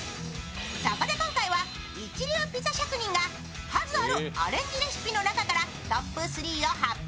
そこで今回は一流ピザ職人が数あるアレンジレシピの中からトップ３を発表。